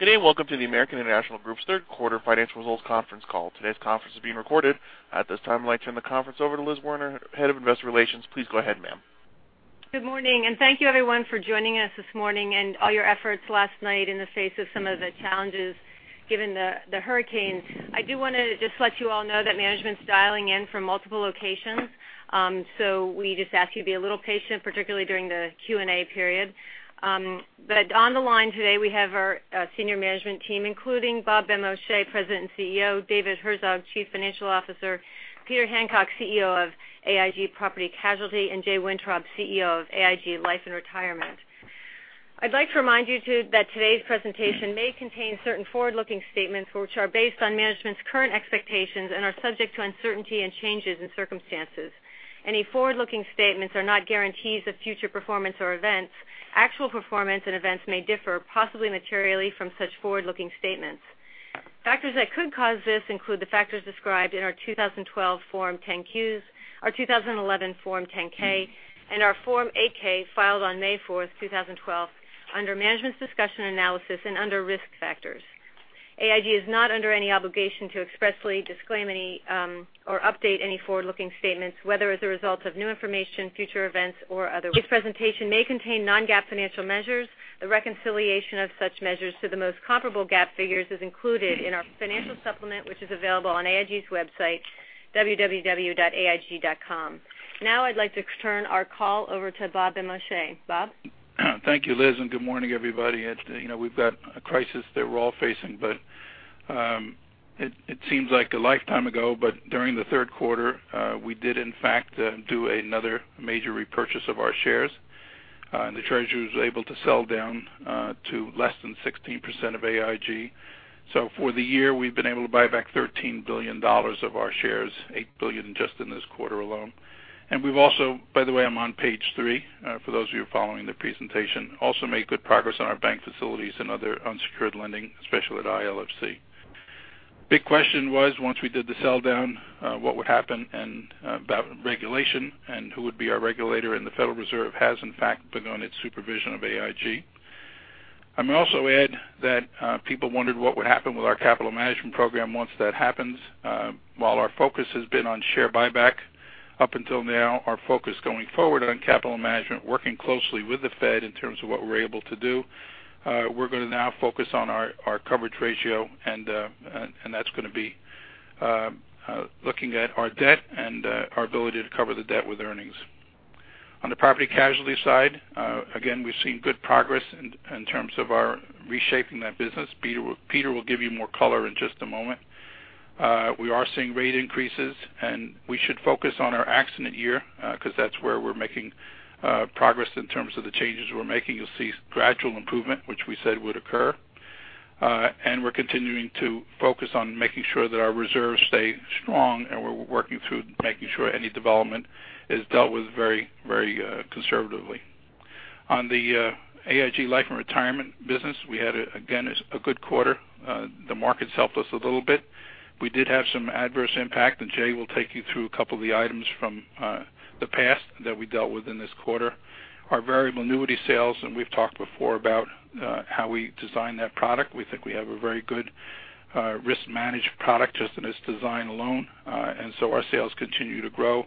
Good day. Welcome to the American International Group's third quarter financial results conference call. Today's conference is being recorded. At this time, I'd like to turn the conference over to Liz Werner, Head of Investor Relations. Please go ahead, ma'am. Good morning. Thank you, everyone, for joining us this morning and all your efforts last night in the face of some of the challenges given the hurricanes. I do want to just let you all know that management's dialing in from multiple locations. We just ask you to be a little patient, particularly during the Q&A period. On the line today, we have our Senior Management Team, including Bob Benmosche, President and CEO, David Herzog, Chief Financial Officer, Peter Hancock, CEO of AIG Property Casualty, and Jay Wintrob, CEO of AIG Life & Retirement. I'd like to remind you too that today's presentation may contain certain forward-looking statements, which are based on management's current expectations and are subject to uncertainty and changes in circumstances. Any forward-looking statements are not guarantees of future performance or events. Actual performance and events may differ, possibly materially, from such forward-looking statements. Factors that could cause this include the factors described in our 2012 Form 10-Qs, our 2011 Form 10-K, and our Form 8-K filed on May 4th, 2012, under Management's Discussion Analysis and under Risk Factors. AIG is not under any obligation to expressly disclaim any or update any forward-looking statements, whether as a result of new information, future events, or otherwise. This presentation may contain non-GAAP financial measures. The reconciliation of such measures to the most comparable GAAP figures is included in our financial supplement, which is available on AIG's website, www.aig.com. I'd like to turn our call over to Bob Benmosche. Bob? Thank you, Liz. Good morning, everybody. We've got a crisis that we're all facing, but it seems like a lifetime ago, but during the third quarter, we did in fact do another major repurchase of our shares. The Treasury was able to sell down to less than 16% of AIG. For the year, we've been able to buy back $13 billion of our shares, $8 billion just in this quarter alone. By the way, I'm on page three for those of you following the presentation. Also made good progress on our bank facilities and other unsecured lending, especially at ILFC. Big question was once we did the sell down, what would happen about regulation and who would be our regulator? The Federal Reserve has in fact begun its supervision of AIG. I'm going to also add that people wondered what would happen with our capital management program once that happens. While our focus has been on share buyback up until now, our focus going forward on capital management, working closely with the Fed in terms of what we're able to do. We're going to now focus on our coverage ratio, that's going to be looking at our debt and our ability to cover the debt with earnings. On the Property Casualty side, again, we've seen good progress in terms of our reshaping that business. Peter will give you more color in just a moment. We are seeing rate increases, we should focus on our accident year because that's where we're making progress in terms of the changes we're making. You'll see gradual improvement, which we said would occur. We're continuing to focus on making sure that our reserves stay strong, we're working through making sure any development is dealt with very conservatively. On the AIG Life & Retirement business, we had, again, a good quarter. The markets helped us a little bit. We did have some adverse impact, Jay will take you through a couple of the items from the past that we dealt with in this quarter. Our variable annuity sales, we've talked before about how we design that product. We think we have a very good risk-managed product just in its design alone. Our sales continue to grow.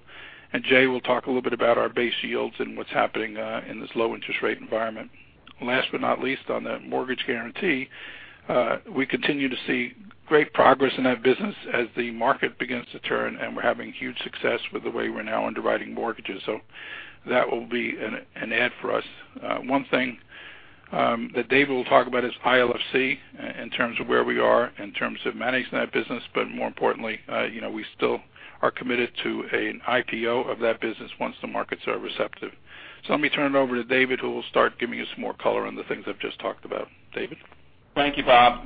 Jay will talk a little bit about our base yields and what's happening in this low interest rate environment. Last but not least, on the mortgage guarantee, we continue to see great progress in that business as the market begins to turn, we're having huge success with the way we're now underwriting mortgages. That will be an add for us. One thing that David will talk about is ILFC in terms of where we are in terms of managing that business. More importantly, we still are committed to an IPO of that business once the markets are receptive. Let me turn it over to David, who will start giving you some more color on the things I've just talked about. David? Thank you, Bob,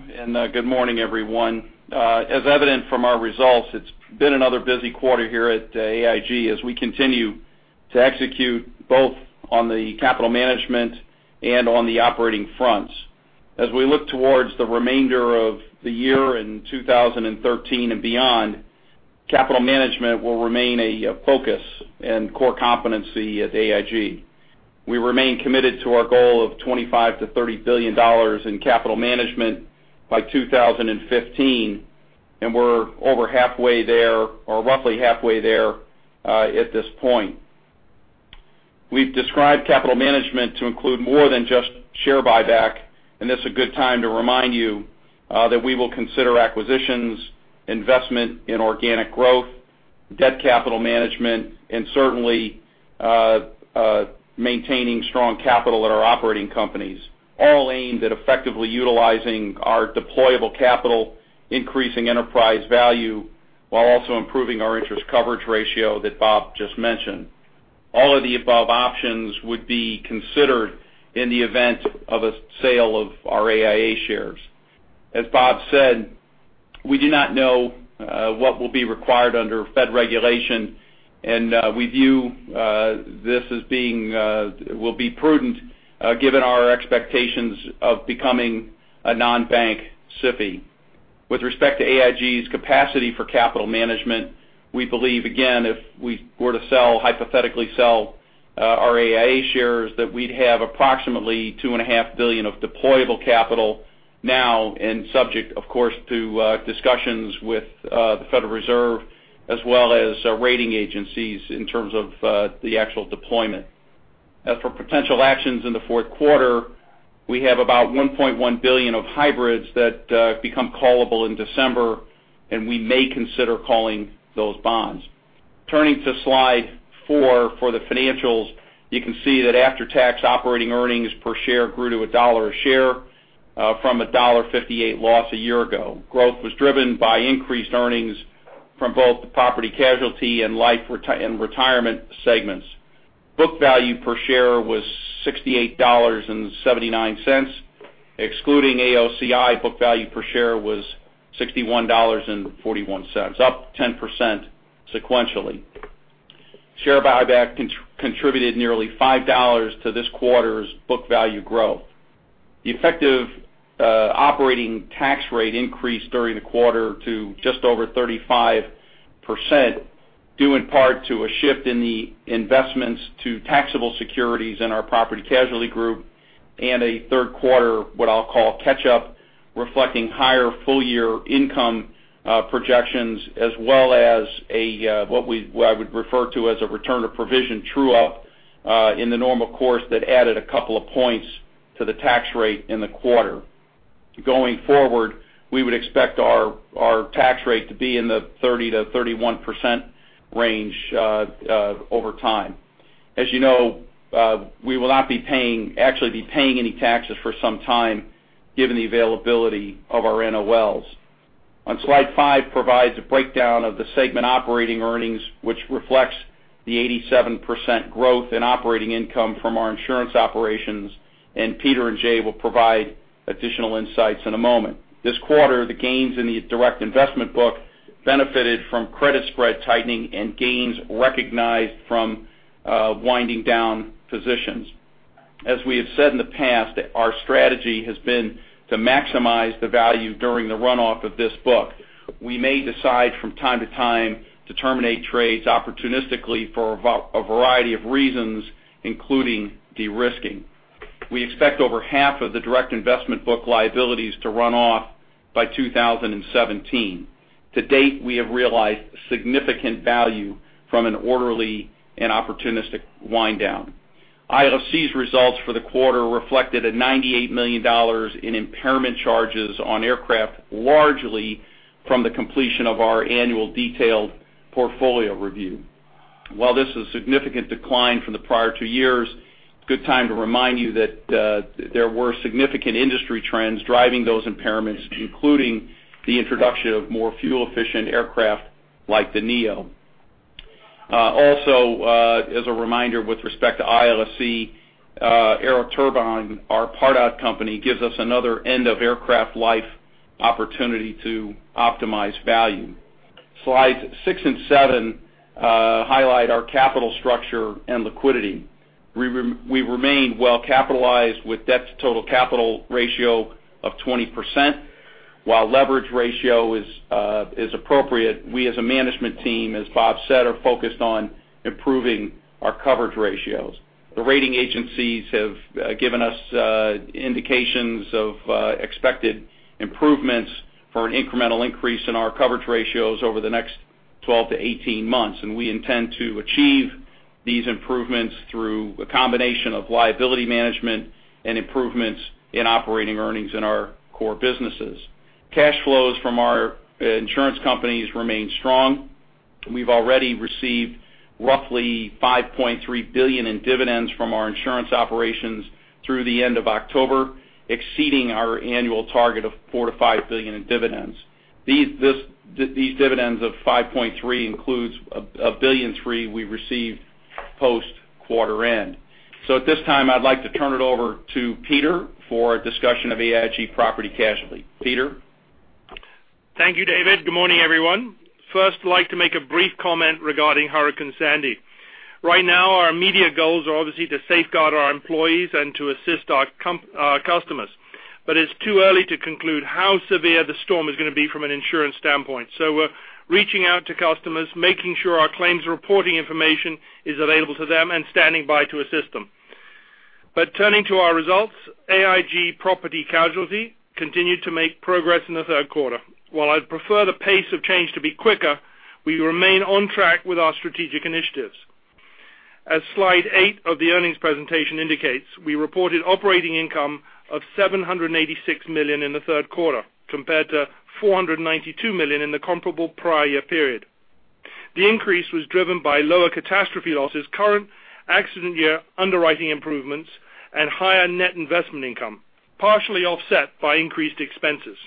good morning, everyone. As evident from our results, it's been another busy quarter here at AIG as we continue to execute both on the capital management and on the operating fronts. As we look towards the remainder of the year in 2013 and beyond, capital management will remain a focus and core competency at AIG. We remain committed to our goal of $25 billion-$30 billion in capital management by 2015, we're over halfway there, or roughly halfway there at this point. We've described capital management to include more than just share buyback, this is a good time to remind you that we will consider acquisitions, investment in organic growth, debt capital management, and certainly maintaining strong capital at our operating companies, all aimed at effectively utilizing our deployable capital, increasing enterprise value, while also improving our interest coverage ratio that Bob just mentioned. All of the above options would be considered in the event of a sale of our AIA shares. As Bob said, we do not know what will be required under Fed regulation. We view this as it will be prudent given our expectations of becoming a non-bank SIFI. With respect to AIG's capacity for capital management, we believe, again, if we were to hypothetically sell our AIA shares, that we'd have approximately $2.5 billion of deployable capital now and subject, of course, to discussions with the Federal Reserve as well as rating agencies in terms of the actual deployment. As for potential actions in the fourth quarter, we have about $1.1 billion of hybrids that become callable in December. We may consider calling those bonds. Turning to slide four for the financials, you can see that after-tax operating earnings per share grew to $1 a share from a $1.58 loss a year ago. Growth was driven by increased earnings from both the Property Casualty and Life & Retirement segments. Book value per share was $68.79. Excluding AOCI, book value per share was $61.41, up 10% sequentially. Share buyback contributed nearly $5 to this quarter's book value growth. The effective operating tax rate increased during the quarter to just over 35%, due in part to a shift in the investments to taxable securities in our Property Casualty group and a third quarter, what I'll call, catch-up reflecting higher full-year income projections as well as what I would refer to as a return of provision true-up in the normal course that added a couple of points to the tax rate in the quarter. Going forward, we would expect our tax rate to be in the 30%-31% range over time. You know, we will not actually be paying any taxes for some time given the availability of our NOLs. On slide five provides a breakdown of the segment operating earnings, which reflects the 87% growth in operating income from our insurance operations. Peter and Jay will provide additional insights in a moment. This quarter, the gains in the direct investment book benefited from credit spread tightening and gains recognized from winding down positions. As we have said in the past, our strategy has been to maximize the value during the runoff of this book. We may decide from time to time to terminate trades opportunistically for a variety of reasons, including de-risking. We expect over half of the direct investment book liabilities to run off by 2017. To date, we have realized significant value from an orderly and opportunistic wind down. ILFC's results for the quarter reflected $98 million in impairment charges on aircraft, largely from the completion of our annual detailed portfolio review. While this is a significant decline from the prior two years, it's a good time to remind you that there were significant industry trends driving those impairments, including the introduction of more fuel-efficient aircraft like the Neo. As a reminder with respect to ILFC AeroTurbine, our part out company gives us another end-of-aircraft life opportunity to optimize value. Slides six and seven highlight our capital structure and liquidity. We remain well capitalized with debt-to-total capital ratio of 20%. While leverage ratio is appropriate, we as a management team, as Bob said, are focused on improving our coverage ratios. The rating agencies have given us indications of expected improvements for an incremental increase in our coverage ratios over the next 12-18 months. We intend to achieve these improvements through a combination of liability management and improvements in operating earnings in our core businesses. Cash flows from our insurance companies remain strong. We've already received roughly $5.3 billion in dividends from our insurance operations through the end of October, exceeding our annual target of $4 billion-$5 billion in dividends. These dividends of $5.3 includes $1.3 billion we received post quarter end. At this time, I'd like to turn it over to Peter for a discussion of AIG Property Casualty. Peter? Thank you, David. Good morning, everyone. First, I'd like to make a brief comment regarding Hurricane Sandy. Right now, our immediate goals are obviously to safeguard our employees and to assist our customers. It's too early to conclude how severe the storm is going to be from an insurance standpoint. We're reaching out to customers, making sure our claims reporting information is available to them, and standing by to assist them. Turning to our results, AIG Property Casualty continued to make progress in the third quarter. While I'd prefer the pace of change to be quicker, we remain on track with our strategic initiatives. As slide eight of the earnings presentation indicates, we reported operating income of $786 million in the third quarter compared to $492 million in the comparable prior year period. The increase was driven by lower catastrophe losses, current accident year underwriting improvements, and higher net investment income, partially offset by increased expenses.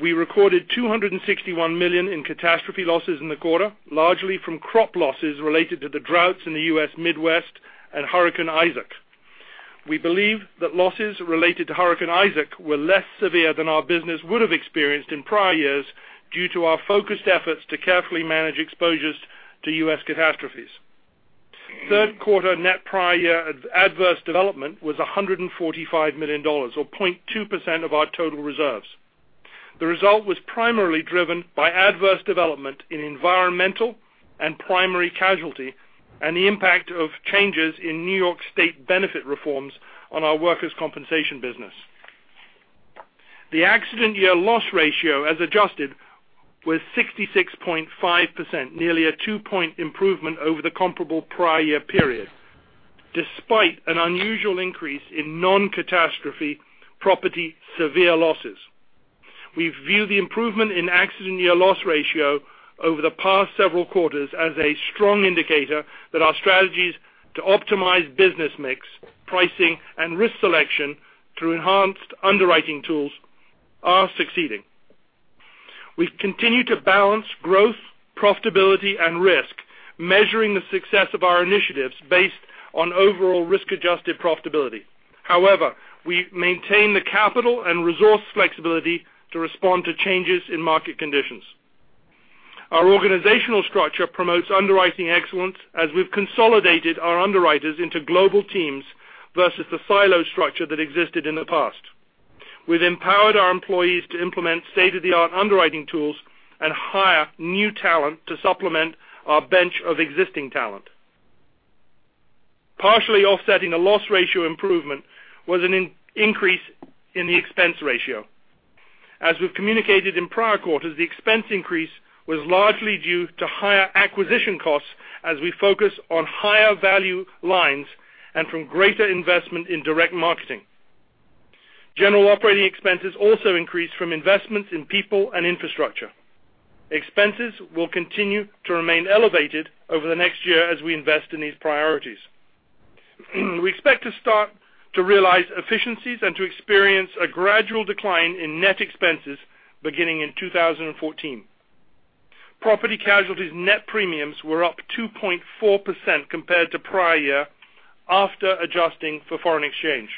We recorded $261 million in catastrophe losses in the quarter, largely from crop losses related to the droughts in the U.S. Midwest and Hurricane Isaac. We believe that losses related to Hurricane Isaac were less severe than our business would have experienced in prior years due to our focused efforts to carefully manage exposures to U.S. catastrophes. Third quarter net prior year adverse development was $145 million, or 0.2% of our total reserves. The result was primarily driven by adverse development in environmental and primary casualty, and the impact of changes in New York State benefit reforms on our workers' compensation business. The accident year loss ratio as adjusted was 66.5%, nearly a two-point improvement over the comparable prior year period, despite an unusual increase in non-catastrophe property severe losses. We view the improvement in accident year loss ratio over the past several quarters as a strong indicator that our strategies to optimize business mix, pricing, and risk selection through enhanced underwriting tools are succeeding. We've continued to balance growth, profitability, and risk, measuring the success of our initiatives based on overall risk-adjusted profitability. We maintain the capital and resource flexibility to respond to changes in market conditions. Our organizational structure promotes underwriting excellence as we've consolidated our underwriters into global teams versus the silo structure that existed in the past. We've empowered our employees to implement state-of-the-art underwriting tools and hire new talent to supplement our bench of existing talent. Partially offsetting a loss ratio improvement was an increase in the expense ratio. As we've communicated in prior quarters, the expense increase was largely due to higher acquisition costs as we focus on higher value lines and from greater investment in direct marketing. General operating expenses also increased from investments in people and infrastructure. Expenses will continue to remain elevated over the next year as we invest in these priorities. We expect to start to realize efficiencies and to experience a gradual decline in net expenses beginning in 2014. Property Casualty's net premiums were up 2.4% compared to prior year after adjusting for foreign exchange.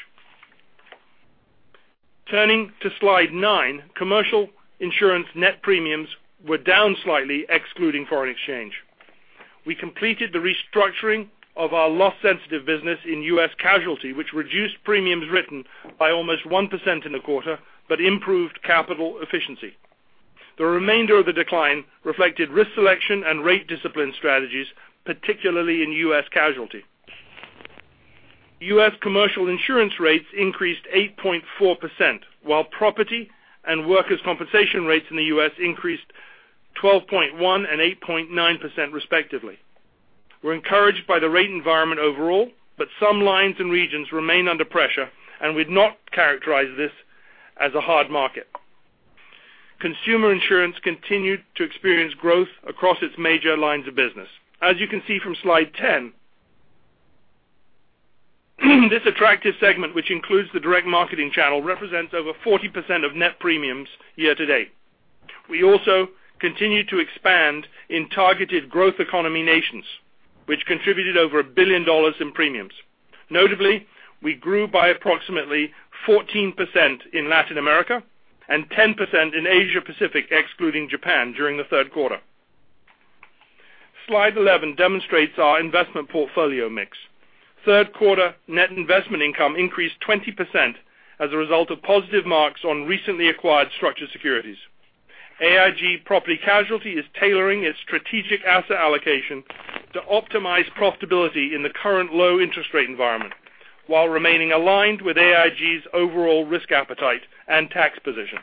Turning to slide nine, commercial insurance net premiums were down slightly, excluding foreign exchange. We completed the restructuring of our loss-sensitive business in U.S. casualty, which reduced premiums written by almost 1% in the quarter, but improved capital efficiency. The remainder of the decline reflected risk selection and rate discipline strategies, particularly in U.S. casualty. U.S. commercial insurance rates increased 8.4%, while property and workers' compensation rates in the U.S. increased 12.1% and 8.9%, respectively. We're encouraged by the rate environment overall, but some lines and regions remain under pressure, and we'd not characterize this as a hard market. Consumer Insurance continued to experience growth across its major lines of business. As you can see from slide 10, this attractive segment, which includes the direct marketing channel, represents over 40% of net premiums year to date. We also continued to expand in targeted growth economy nations, which contributed over $1 billion in premiums. Notably, we grew by approximately 14% in Latin America and 10% in Asia Pacific, excluding Japan, during the third quarter. Slide 11 demonstrates our investment portfolio mix. Third quarter net investment income increased 20% as a result of positive marks on recently acquired structured securities. AIG Property Casualty is tailoring its strategic asset allocation to optimize profitability in the current low interest rate environment while remaining aligned with AIG's overall risk appetite and tax position.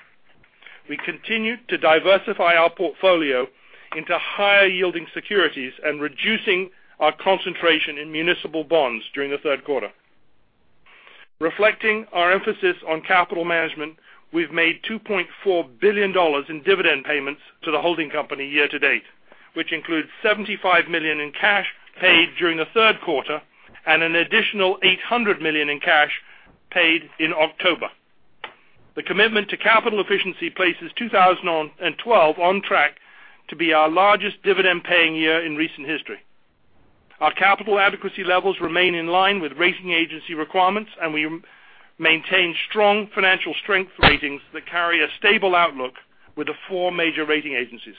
We continued to diversify our portfolio into higher yielding securities and reducing our concentration in municipal bonds during the third quarter. Reflecting our emphasis on capital management, we've made $2.4 billion in dividend payments to the holding company year to date, which includes $75 million in cash paid during the third quarter and an additional $800 million in cash paid in October. The commitment to capital efficiency places 2012 on track to be our largest dividend-paying year in recent history. Our capital adequacy levels remain in line with rating agency requirements, and we maintain strong financial strength ratings that carry a stable outlook with the four major rating agencies.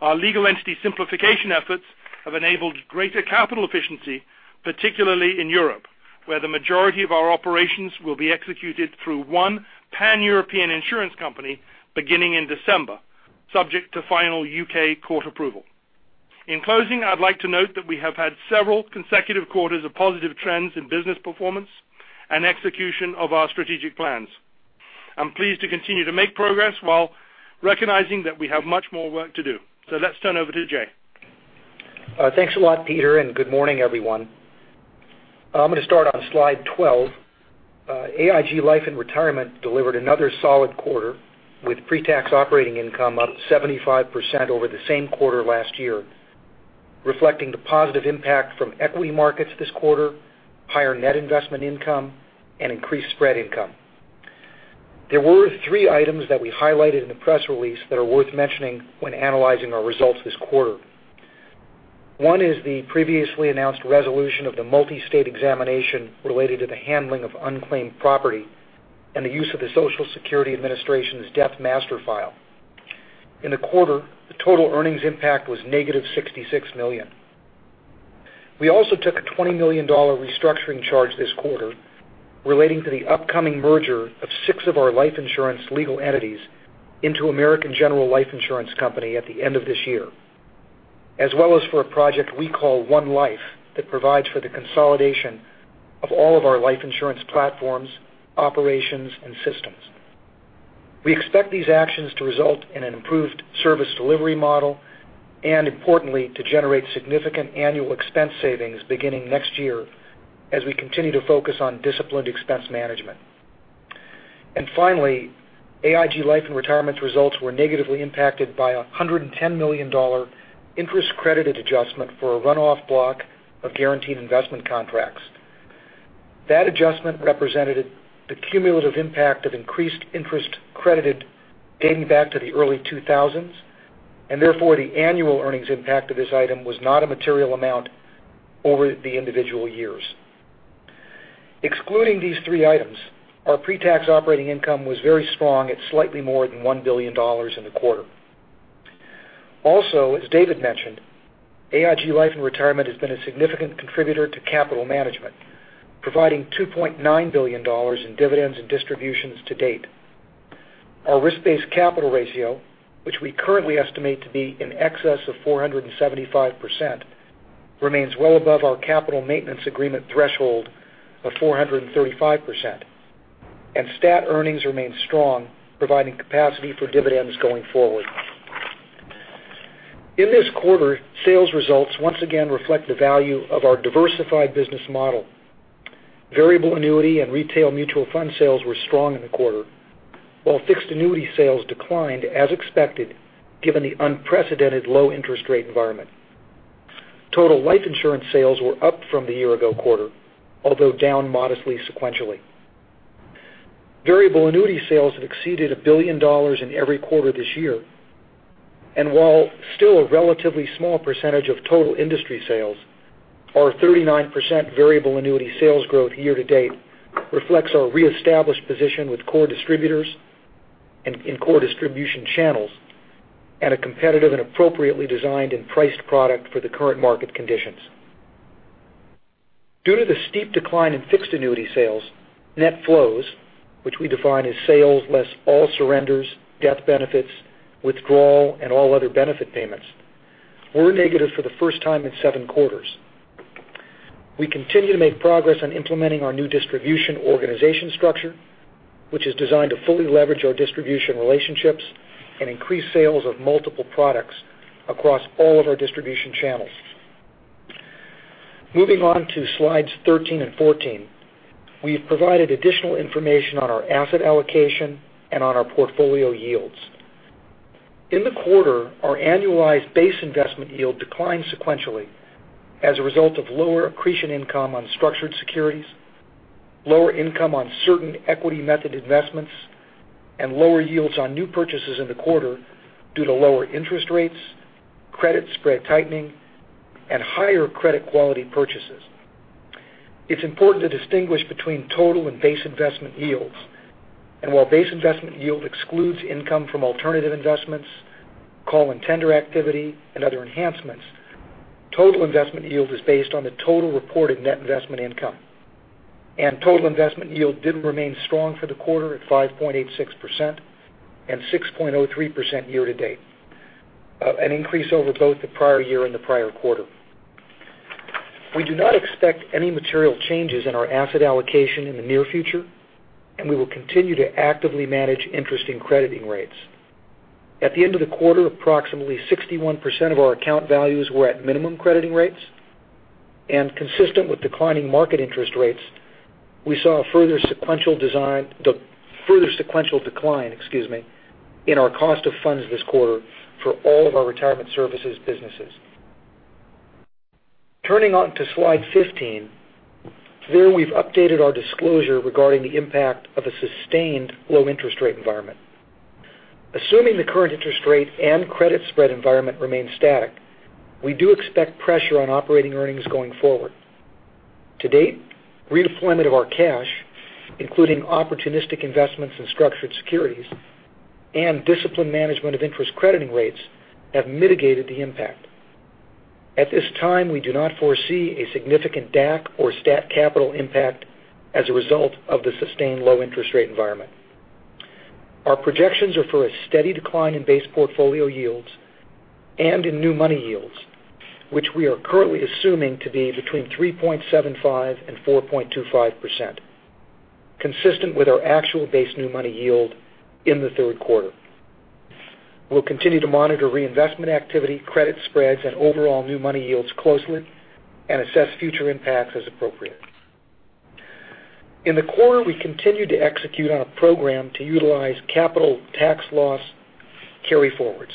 Our legal entity simplification efforts have enabled greater capital efficiency, particularly in Europe, where the majority of our operations will be executed through one pan-European insurance company beginning in December, subject to final U.K. court approval. In closing, I'd like to note that we have had several consecutive quarters of positive trends in business performance and execution of our strategic plans. I'm pleased to continue to make progress while recognizing that we have much more work to do. Let's turn over to Jay. Thanks a lot, Peter. Good morning, everyone. I'm going to start on slide 12. AIG Life & Retirement delivered another solid quarter with pre-tax operating income up 75% over the same quarter last year, reflecting the positive impact from equity markets this quarter, higher net investment income, and increased spread income. There were three items that we highlighted in the press release that are worth mentioning when analyzing our results this quarter. One is the previously announced resolution of the multi-state examination related to the handling of unclaimed property and the use of the Social Security Administration's Death Master File. In the quarter, the total earnings impact was negative $66 million. We also took a $20 million restructuring charge this quarter relating to the upcoming merger of six of our life insurance legal entities into American General Life Insurance Company at the end of this year, as well as for a project we call One Life that provides for the consolidation of all of our life insurance platforms, operations, and systems. We expect these actions to result in an improved service delivery model and importantly, to generate significant annual expense savings beginning next year as we continue to focus on disciplined expense management. Finally, AIG Life & Retirement results were negatively impacted by a $110 million interest credited adjustment for a runoff block of guaranteed investment contracts. That adjustment represented the cumulative impact of increased interest credited dating back to the early 2000s. Therefore, the annual earnings impact of this item was not a material amount over the individual years. Excluding these three items, our pre-tax operating income was very strong at slightly more than $1 billion in the quarter. Also, as David mentioned, AIG Life & Retirement has been a significant contributor to capital management, providing $2.9 billion in dividends and distributions to date. Our risk-based capital ratio, which we currently estimate to be in excess of 475%, remains well above our capital maintenance agreement threshold of 435%. Stat earnings remain strong, providing capacity for dividends going forward. In this quarter, sales results once again reflect the value of our diversified business model. Variable annuity and retail mutual fund sales were strong in the quarter, while fixed annuity sales declined as expected, given the unprecedented low interest rate environment. Total life insurance sales were up from the year-ago quarter, although down modestly sequentially. Variable annuity sales have exceeded $1 billion in every quarter this year. While still a relatively small percentage of total industry sales, our 39% variable annuity sales growth year-to-date reflects our reestablished position with core distributors and in core distribution channels at a competitive and appropriately designed and priced product for the current market conditions. Due to the steep decline in fixed annuity sales, net flows, which we define as sales less all surrenders, death benefits, withdrawal, and all other benefit payments, were negative for the first time in seven quarters. We continue to make progress on implementing our new distribution organization structure, which is designed to fully leverage our distribution relationships and increase sales of multiple products across all of our distribution channels. Moving on to slides 13 and 14. We've provided additional information on our asset allocation and on our portfolio yields. In the quarter, our annualized base investment yield declined sequentially as a result of lower accretion income on structured securities, lower income on certain equity method investments, and lower yields on new purchases in the quarter due to lower interest rates, credit spread tightening, and higher credit quality purchases. It's important to distinguish between total and base investment yields, and while base investment yield excludes income from alternative investments, call and tender activity, and other enhancements, total investment yield is based on the total reported net investment income. Total investment yield did remain strong for the quarter at 5.86% and 6.03% year to date, an increase over both the prior year and the prior quarter. We do not expect any material changes in our asset allocation in the near future, and we will continue to actively manage interest in crediting rates. At the end of the quarter, approximately 61% of our account values were at minimum crediting rates, and consistent with declining market interest rates, we saw a further sequential decline in our cost of funds this quarter for all of our retirement services businesses. Turning on to slide 15. There we've updated our disclosure regarding the impact of a sustained low interest rate environment. Assuming the current interest rate and credit spread environment remains static, we do expect pressure on operating earnings going forward. To date, redeployment of our cash, including opportunistic investments in structured securities and disciplined management of interest crediting rates, have mitigated the impact. At this time, we do not foresee a significant DAC or stat capital impact as a result of the sustained low interest rate environment. Our projections are for a steady decline in base portfolio yields and in new money yields, which we are currently assuming to be between 3.75% and 4.25%, consistent with our actual base new money yield in the third quarter. We'll continue to monitor reinvestment activity, credit spreads, and overall new money yields closely and assess future impacts as appropriate. In the quarter, we continued to execute on a program to utilize capital tax loss carryforwards.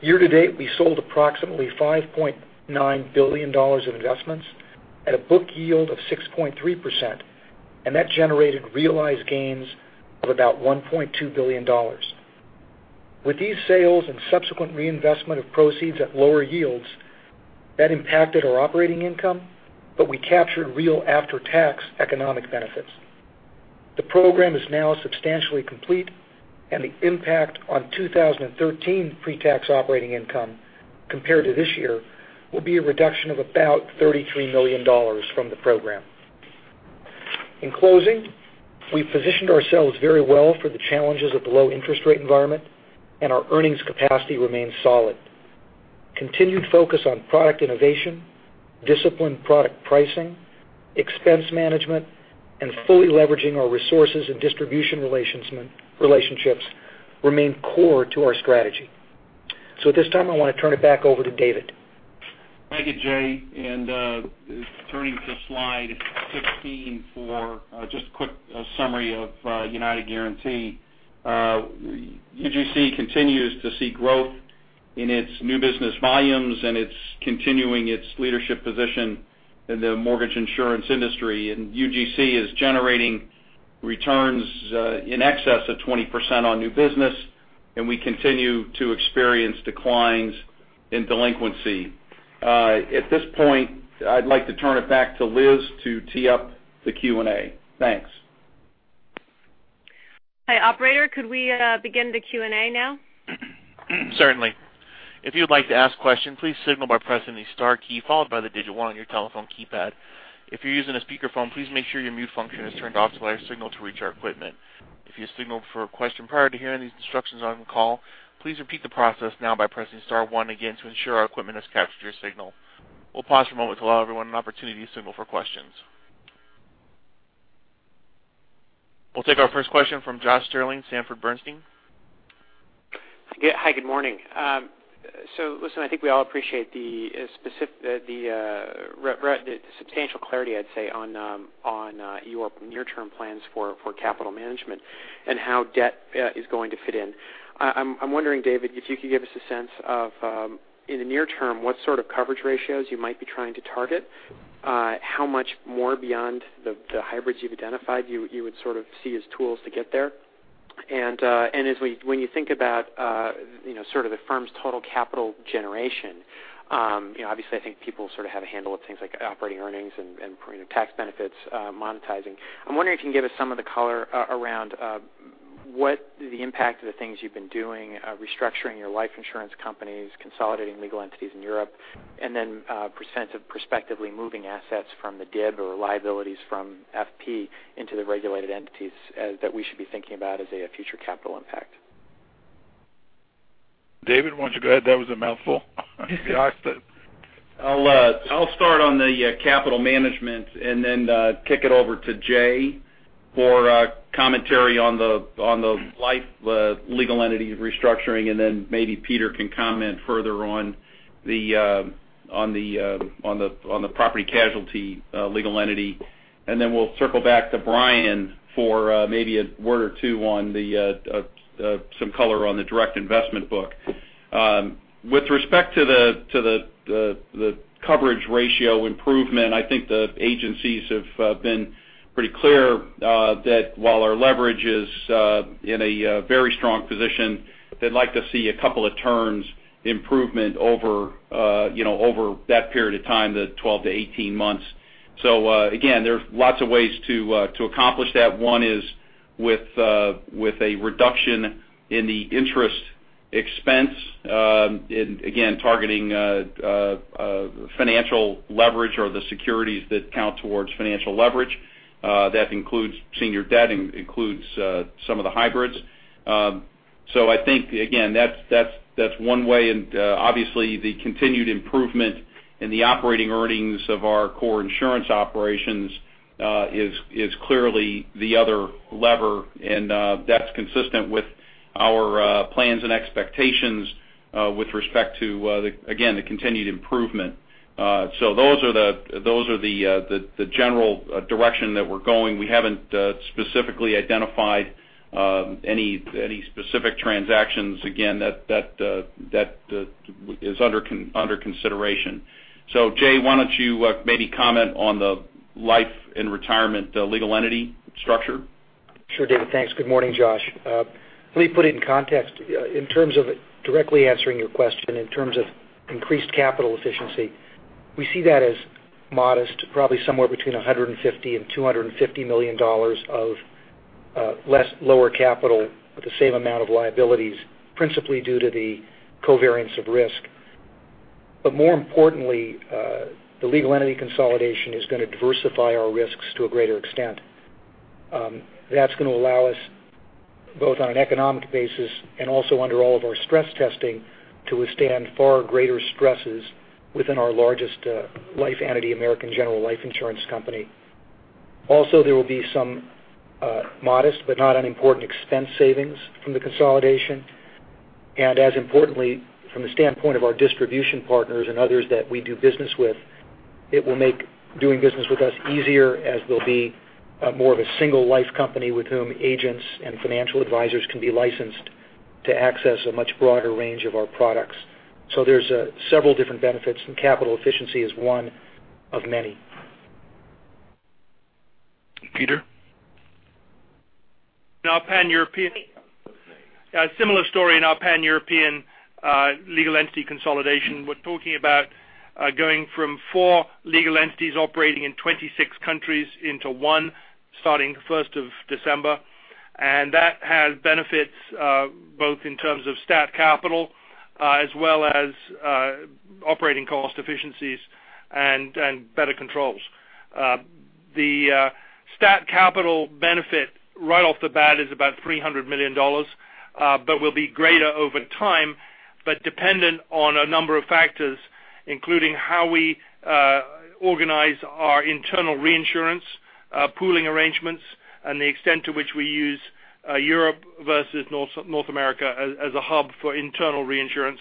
Year to date, we sold approximately $5.9 billion of investments at a book yield of 6.3%, and that generated realized gains of about $1.2 billion. With these sales and subsequent reinvestment of proceeds at lower yields, that impacted our operating income, but we captured real after-tax economic benefits. The program is now substantially complete, and the impact on 2013 pre-tax operating income compared to this year will be a reduction of about $33 million from the program. In closing, we've positioned ourselves very well for the challenges of the low interest rate environment, and our earnings capacity remains solid. Continued focus on product innovation, disciplined product pricing, expense management, and fully leveraging our resources and distribution relationships remain core to our strategy. At this time, I want to turn it back over to David. Thank you, Jay. Turning to slide 16 for just a quick summary of United Guaranty. UGC continues to see growth in its new business volumes, and it's continuing its leadership position in the mortgage insurance industry. UGC is generating returns in excess of 20% on new business, and we continue to experience declines in delinquency. At this point, I'd like to turn it back to Liz to tee up the Q&A. Thanks. Hi, operator, could we begin the Q&A now? Certainly. If you would like to ask question, please signal by pressing the star key, followed by the digit 1 on your telephone keypad. If you're using a speakerphone, please make sure your mute function is turned off so that our signal to reach our equipment. If you signaled for a question prior to hearing these instructions on the call, please repeat the process now by pressing star 1 again to ensure our equipment has captured your signal. We'll pause for a moment to allow everyone an opportunity to signal for questions. We'll take our first question from Josh Stirling, Sanford C. Bernstein. Yeah. Hi, good morning. Listen, I think we all appreciate the substantial clarity, I'd say, on your near-term plans for capital management and how debt is going to fit in. I'm wondering, David, if you could give us a sense of, in the near term, what sort of coverage ratios you might be trying to target? How much more beyond the hybrids you've identified you would sort of see as tools to get there? When you think about sort of the firm's total capital generation, obviously I think people sort of have a handle of things like operating earnings and tax benefits monetizing. I'm wondering if you can give us some of the color around what the impact of the things you've been doing, restructuring your life insurance companies, consolidating legal entities in Europe, and then perspectively moving assets from the DIB or liabilities from FP into the regulated entities that we should be thinking about as a future capital impact. David, why don't you go ahead? That was a mouthful. Josh. I'll start on the capital management and then kick it over to Jay for commentary on the life legal entity restructuring, and then maybe Peter can comment further on the Property Casualty legal entity. Then we'll circle back to Brian for maybe a word or two on some color on the direct investment book. With respect to the coverage ratio improvement, I think the agencies have been pretty clear that while our leverage is in a very strong position, they'd like to see a couple of turns improvement over that period of time, the 12-18 months. Again, there's lots of ways to accomplish that. One is with a reduction in the interest expense, and again, targeting financial leverage or the securities that count towards financial leverage. That includes senior debt and includes some of the hybrids. I think, again, that's one way. Obviously the continued improvement in the operating earnings of our core insurance operations is clearly the other lever, and that's consistent with our plans and expectations with respect to, again, the continued improvement. Those are the general direction that we're going. We haven't specifically identified any specific transactions, again, that is under consideration. Jay, why don't you maybe comment on the Life & Retirement legal entity structure? Sure, David. Thanks. Good morning, Josh. Let me put it in context in terms of directly answering your question in terms of increased capital efficiency. We see that as modest, probably somewhere between $150 million-$250 million of less lower capital with the same amount of liabilities, principally due to the covariance of risk. More importantly, the legal entity consolidation is going to diversify our risks to a greater extent. That's going to allow us, both on an economic basis and also under all of our stress testing, to withstand far greater stresses within our largest life entity, American General Life Insurance Company. Also, there will be some modest but not unimportant expense savings from the consolidation. As importantly, from the standpoint of our distribution partners and others that we do business with, it will make doing business with us easier as there'll be more of a single life company with whom agents and financial advisors can be licensed to access a much broader range of our products. There's several different benefits, and capital efficiency is one of many. Peter? In our pan-European, a similar story in our pan-European legal entity consolidation. We're talking about going from four legal entities operating in 26 countries into one, starting the first of December. That has benefits both in terms of stat capital, as well as operating cost efficiencies and better controls. The stat capital benefit right off the bat is about $300 million, but will be greater over time, but dependent on a number of factors, including how we organize our internal reinsurance, pooling arrangements, and the extent to which we use Europe versus North America as a hub for internal reinsurance,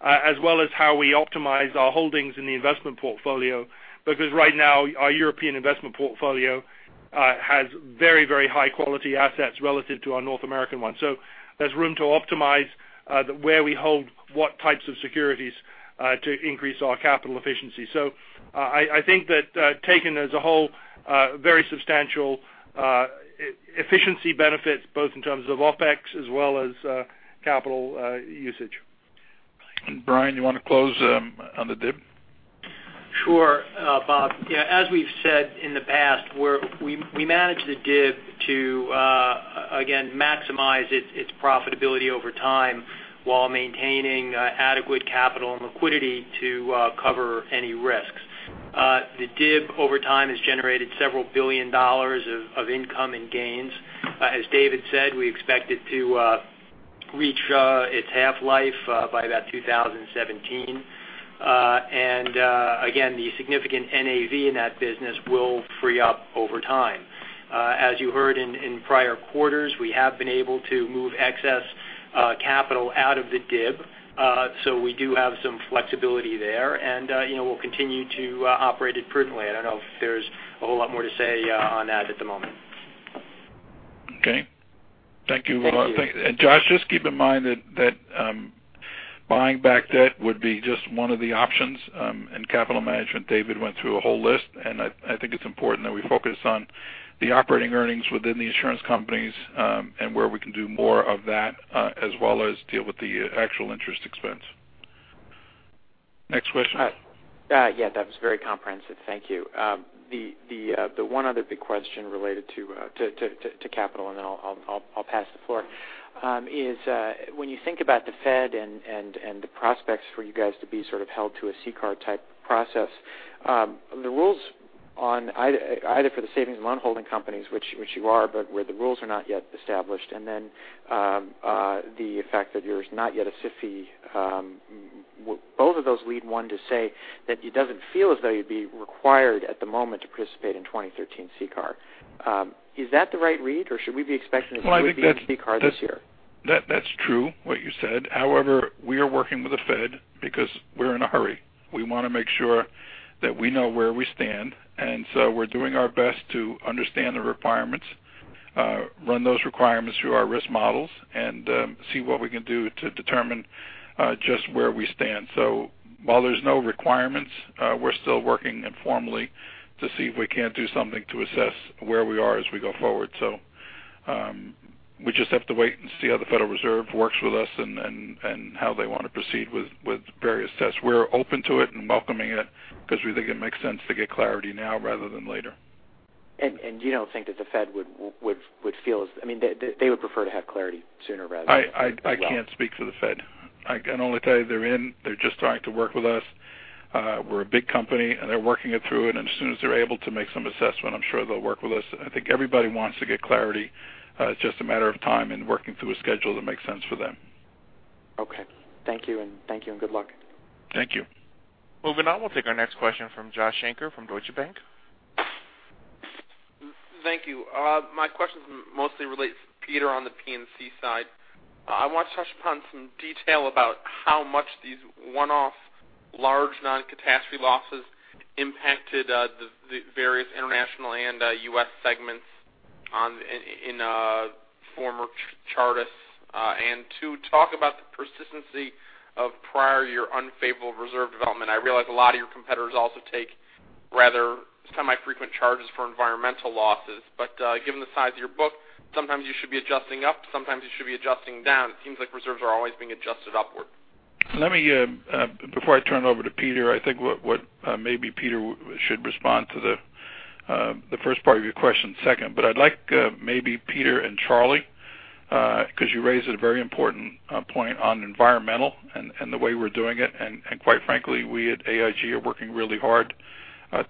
as well as how we optimize our holdings in the investment portfolio. Because right now, our European investment portfolio has very high quality assets relative to our North American one. There's room to optimize where we hold what types of securities to increase our capital efficiency. I think that taken as a whole, very substantial efficiency benefits, both in terms of OPEX as well as capital usage. Brian, you want to close on the DIB? Sure. Bob. As we've said in the past, we manage the DIB to, again, maximize its profitability over time while maintaining adequate capital and liquidity to cover any risks. The DIB over time has generated several billion dollars of income and gains. As David said, we expect it to reach its half-life by about 2017. Again, the significant NAV in that business will free up over time. As you heard in prior quarters, we have been able to move excess capital out of the DIB. We do have some flexibility there, and we'll continue to operate it prudently. I don't know if there's a whole lot more to say on that at the moment. Okay. Thank you. Thank you. Josh, just keep in mind that buying back debt would be just one of the options in capital management. David went through a whole list, and I think it's important that we focus on the operating earnings within the insurance companies, and where we can do more of that, as well as deal with the actual interest expense. Next question. Yeah, that was very comprehensive. Thank you. The one other big question related to capital, and then I'll pass the floor, is when you think about the Fed and the prospects for you guys to be sort of held to a CCAR type process, the rules on either for the savings and loan holding companies, which you are, but where the rules are not yet established, and then the effect that there's not yet a SIFI. Both of those lead one to say that it doesn't feel as though you'd be required at the moment to participate in 2013 CCAR. Is that the right read, or should we be expecting you to be in CCAR this year? That's true, what you said. However, we are working with the Fed because we're in a hurry. We want to make sure that we know where we stand. We're doing our best to understand the requirements, run those requirements through our risk models, and see what we can do to determine just where we stand. While there's no requirements, we're still working informally to see if we can't do something to assess where we are as we go forward. We just have to wait and see how the Federal Reserve works with us and how they want to proceed with various tests. We're open to it and welcoming it because we think it makes sense to get clarity now rather than later. You don't think that the Fed would feel they would prefer to have clarity sooner rather than later as well. I can't speak for the Fed. I can only tell you they're in. They're just starting to work with us. We're a big company, and they're working it through, and as soon as they're able to make some assessment, I'm sure they'll work with us. I think everybody wants to get clarity. It's just a matter of time and working through a schedule that makes sense for them. Okay. Thank you, and good luck. Thank you. Moving on. We'll take our next question from Josh Shanker from Deutsche Bank. Thank you. My question mostly relates to Peter on the P&C side. I want to touch upon some detail about how much these one-off large non-catastrophe losses impacted the various international and U.S. segments in former Chartis. Two, talk about the persistency of prior year unfavorable reserve development. I realize a lot of your competitors also take rather semi-frequent charges for environmental losses. Given the size of your book, sometimes you should be adjusting up, sometimes you should be adjusting down. It seems like reserves are always being adjusted upward. Before I turn it over to Peter, I think what maybe Peter should respond to the first part of your question second. I'd like maybe Peter and Charlie, because you raised a very important point on environmental and the way we're doing it. Quite frankly, we at AIG are working really hard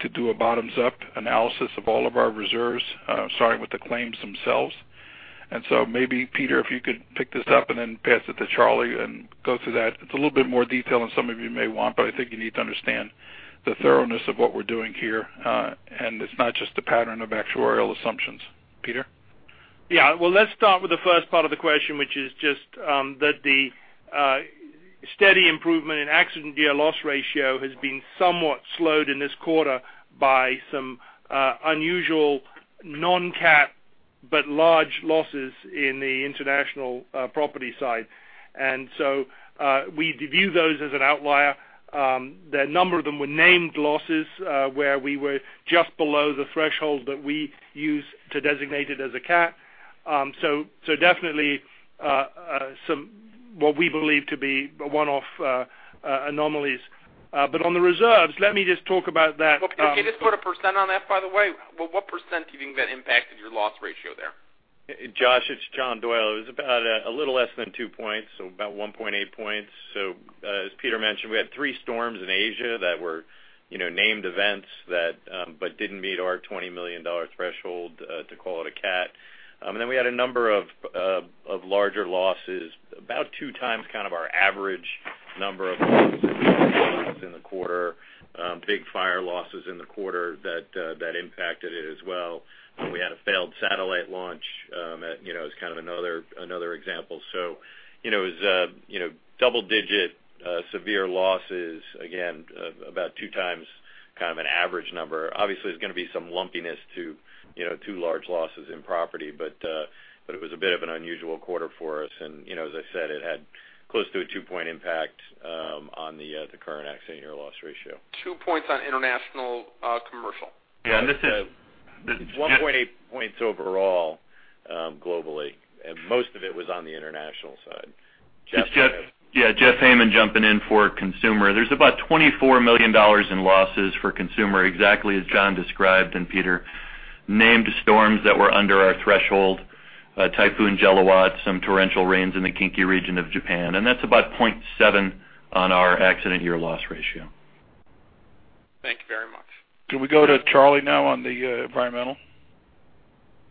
to do a bottoms-up analysis of all of our reserves, starting with the claims themselves. Maybe, Peter, if you could pick this up and then pass it to Charlie and go through that. It's a little bit more detail than some of you may want, but I think you need to understand the thoroughness of what we're doing here. It's not just a pattern of actuarial assumptions. Peter? Yeah. Let's start with the first part of the question, which is just that the steady improvement in accident year loss ratio has been somewhat slowed in this quarter by some unusual non-cat but large losses in the international property side. We view those as an outlier. A number of them were named losses, where we were just below the threshold that we use to designate it as a cat. Definitely, what we believe to be one-off anomalies. On the reserves, let me just talk about that. Okay. Just put a percent on that, by the way. What percent do you think that impacted your loss ratio there? Josh, it's John Doyle. It was about a little less than two points, so about 1.8 points. As Peter mentioned, we had three storms in Asia that were named events but didn't meet our $20 million threshold to call it a cat. We had a number of larger losses, about two times our average number of losses in the quarter. Big fire losses in the quarter that impacted it as well. We had a failed satellite launch as kind of another example. It was double-digit severe losses, again, about two times kind of an average number. Obviously, there's going to be some lumpiness to two large losses in property, but it was a bit of an unusual quarter for us. As I said, it had close to a two-point impact on the current accident year loss ratio. Two points on international commercial. Yeah. This is 1.8 points overall globally. Most of it was on the international side. Jeff. Yeah. Jeff Hayman specialist jumping in for consumer. There's about $24 million in losses for consumer, exactly as John described, and Peter. Named storms that were under our threshold. Typhoon Jelawat, some torrential rains in the Kinki region of Japan. That's about 0.7 on our accident year loss ratio. Thank you very much. Can we go to Charlie now on the environmental?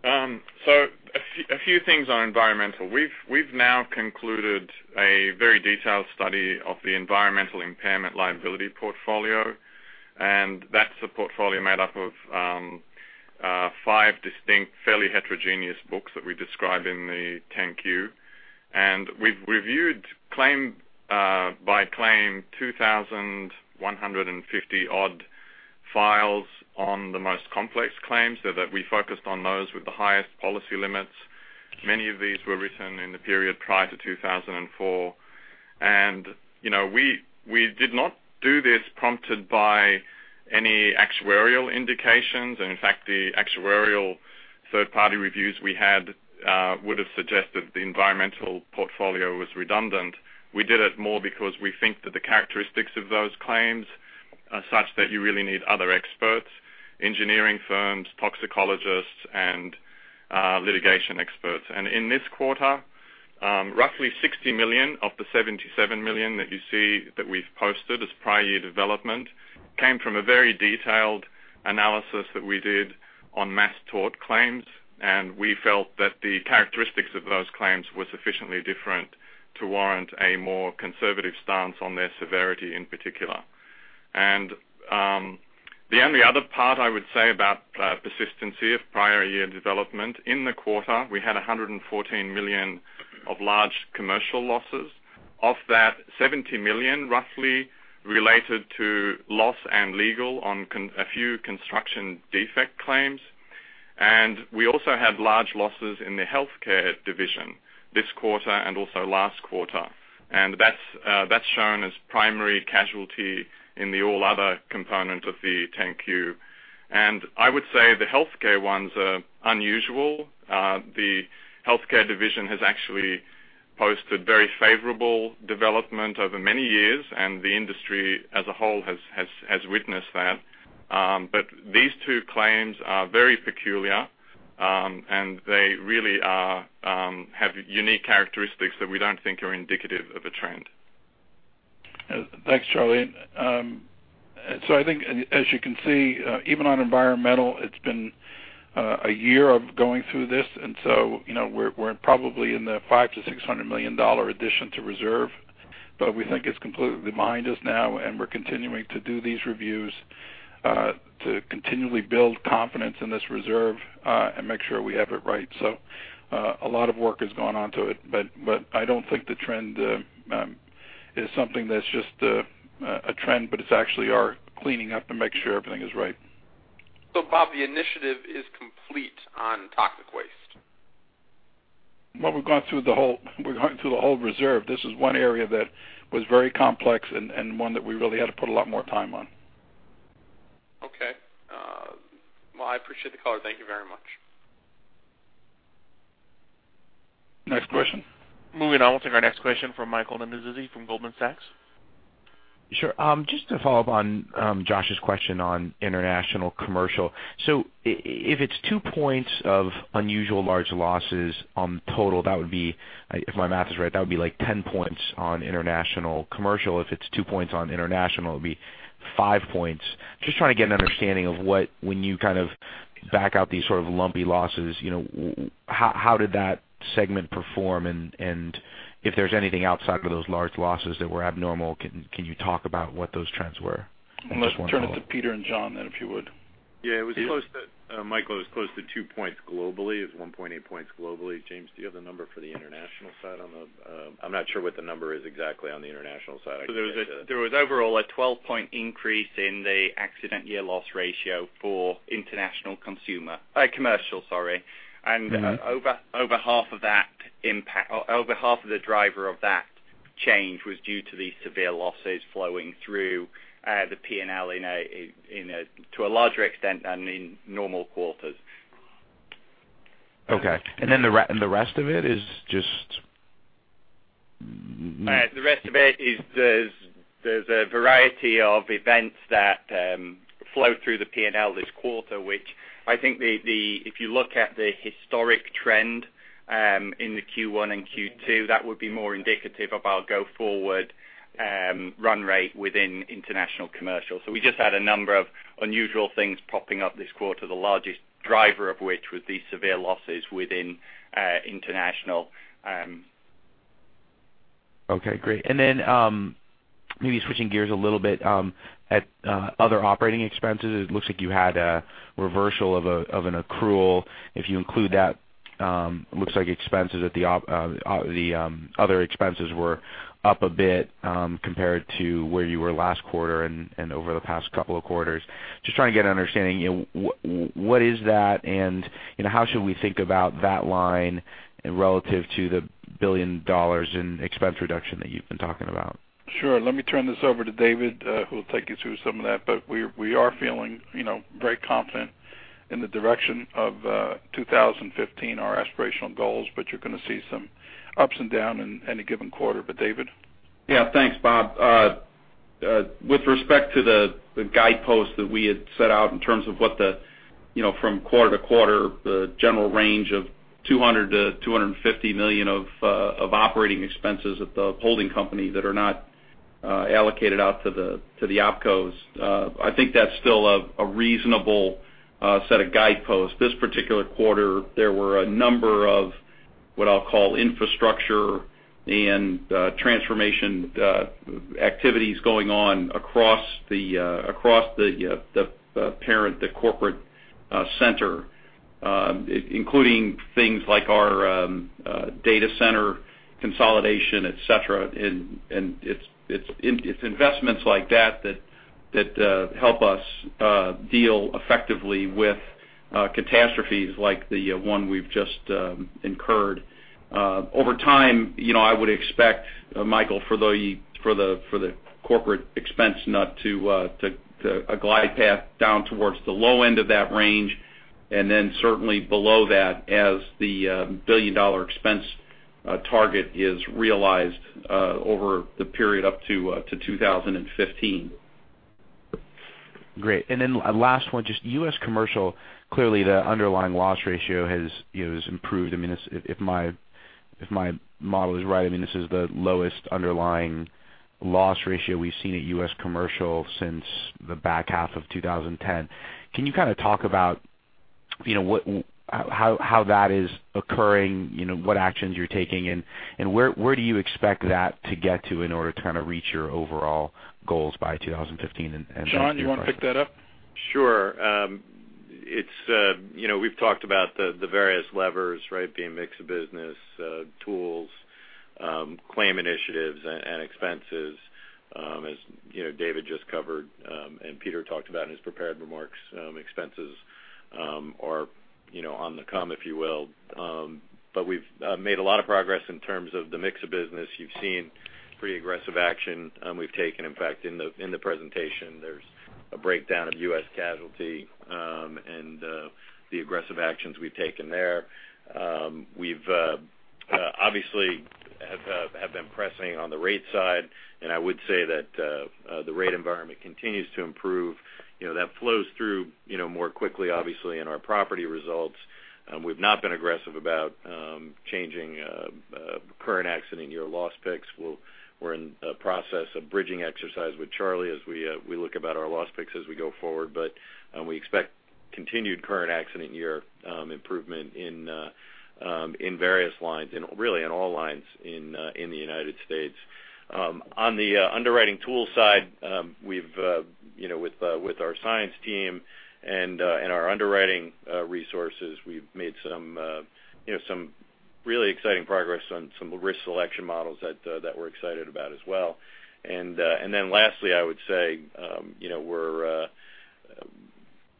A few things on environmental. We've now concluded a very detailed study of the environmental impairment liability portfolio. That's a portfolio made up of five distinct, fairly heterogeneous books that we described in the 10-Q. We've reviewed by claim 2,150 odd files on the most complex claims, so that we focused on those with the highest policy limits. Many of these were written in the period prior to 2004. We did not do this prompted by any actuarial indications. In fact, the actuarial third-party reviews we had would've suggested the environmental portfolio was redundant. We did it more because we think that the characteristics of those claims are such that you really need other experts, engineering firms, toxicologists, and litigation experts. In this quarter, roughly $60 million of the $77 million that you see that we've posted as prior year development came from a very detailed analysis that we did on mass tort claims. We felt that the characteristics of those claims were sufficiently different to warrant a more conservative stance on their severity in particular. The only other part I would say about persistency of prior year development, in the quarter, we had $114 million of large commercial losses. Of that, $70 million roughly related to loss and legal on a few construction defect claims. We also had large losses in the healthcare division this quarter and also last quarter. That's shown as primary casualty in the all other component of the 10-Q. I would say the healthcare ones are unusual. The healthcare division has actually posted very favorable development over many years. The industry as a whole has witnessed that. These two claims are very peculiar. They really have unique characteristics that we don't think are indicative of a trend. Thanks, Charlie. I think as you can see, even on environmental, it's been a year of going through this, we're probably in the $500 million-$600 million addition to reserve. We think it's completely behind us now, we're continuing to do these reviews to continually build confidence in this reserve and make sure we have it right. A lot of work has gone onto it, I don't think the trend is something that's just a trend, it's actually our cleaning up to make sure everything is right. Bob, the initiative is complete on toxic waste? Well, we've gone through the whole reserve. This is one area that was very complex and one that we really had to put a lot more time on. Okay. Well, I appreciate the call. Thank you very much. Next question. Moving on. We'll take our next question from Michael Nannizzi from Goldman Sachs. Sure. Just to follow up on Josh's question on international commercial. If it's 2 points of unusual large losses on total, if my math is right, that would be 10 points on international commercial. If it's 2 points on international, it would be 5 points. Just trying to get an understanding of when you kind of back out these sort of lumpy losses, how did that segment perform? If there's anything outside of those large losses that were abnormal, can you talk about what those trends were? Let's turn it to Peter and John then, if you would. Yeah. Michael, it was close to two points globally. It was 1.8 points globally. Jay, do you have the number for the international side? I'm not sure what the number is exactly on the international side. There was overall a 12-point increase in the accident year loss ratio for international commercial, sorry. Over half of the driver of that change was due to these severe losses flowing through the P&L to a larger extent than in normal quarters. Okay. The rest of it is just. The rest of it is there's a variety of events that flow through the P&L this quarter, which I think if you look at the historic trend in the Q1 and Q2, that would be more indicative of our go forward run rate within international commercial. We just had a number of unusual things propping up this quarter, the largest driver of which was these severe losses within international. Okay, great. Then maybe switching gears a little bit, at other operating expenses, it looks like you had a reversal of an accrual. If you include that, it looks like the other expenses were up a bit compared to where you were last quarter and over the past couple of quarters. Just trying to get an understanding, what is that, and how should we think about that line relative to the $1 billion in expense reduction that you've been talking about? Sure. Let me turn this over to David, who will take you through some of that, we are feeling very confident in the direction of 2015, our aspirational goals. You're going to see some ups and down in any given quarter. David? Thanks, Bob. With respect to the guidepost that we had set out in terms of what the from quarter to quarter, the general range of $200 million-$250 million of operating expenses at the holding company that are not allocated out to the opcos. I think that's still a reasonable set of guideposts. This particular quarter, there were a number of what I'll call infrastructure and transformation activities going on across the parent, the corporate center, including things like our data center consolidation, et cetera, and it's investments like that that help us deal effectively with catastrophes like the one we've just incurred. Over time, I would expect, Michael, for the corporate expense nut to a glide path down towards the low end of that range, and then certainly below that as the $1 billion-dollar expense target is realized over the period up to 2015. Great. Last one, just U.S. Commercial, clearly the underlying loss ratio has improved. If my model is right, this is the lowest underlying loss ratio we've seen at U.S. Commercial since the back half of 2010. Can you kind of talk about how that is occurring, what actions you're taking, and where do you expect that to get to in order to kind of reach your overall goals by 2015. John, you want to pick that up? Sure. We've talked about the various levers, right? Being mix of business, tools, claim initiatives, and expenses. As David just covered, Peter talked about in his prepared remarks, expenses are on the come, if you will. We've made a lot of progress in terms of the mix of business. You've seen pretty aggressive action we've taken. In fact, in the presentation, there's a breakdown of U.S. Casualty and the aggressive actions we've taken there. We've obviously have been pressing on the rate side, I would say that the rate environment continues to improve. That flows through more quickly, obviously, in our property results. We've not been aggressive about changing current accident year loss picks. We're in a process of bridging exercise with Charlie as we look about our loss picks as we go forward. We expect continued current accident year improvement in various lines and really in all lines in the United States. On the underwriting tool side, with our science team and our underwriting resources, we've made some really exciting progress on some risk selection models that we're excited about as well. Lastly, I would say we're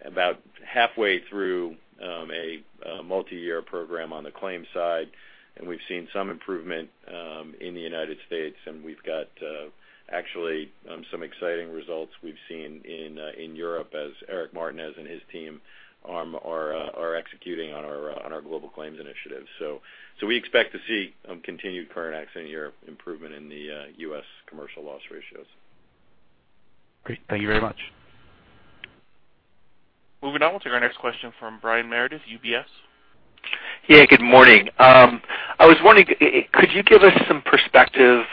about halfway through a multi-year program on the claims side, we've seen some improvement in the United States, we've got actually some exciting results we've seen in Europe as Eric Martinez and his team are executing on our global claims initiative. We expect to see continued current accident year improvement in the U.S. Commercial loss ratios. Great. Thank you very much. Moving on, we'll take our next question from Brian Meredith, UBS. Yeah, good morning. I was wondering, could you give us some perspective,